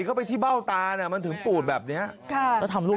เข้าไปที่เบ้าตาน่ะมันถึงปูดแบบเนี้ยค่ะแล้วทำลูก